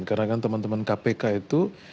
karena kan teman teman kpk itu